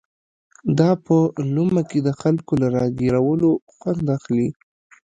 دا په لومه کې د خلکو له را ګيرولو خوند اخلي.